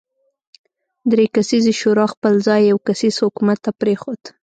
درې کسیزې شورا خپل ځای یو کسیز حکومت ته پرېښود.